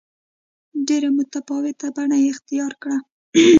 ډېره متفاوته بڼه یې اختیار کړه.